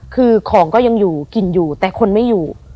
คือของก็ยังอยู่กินอยู่แต่คนไม่อยู่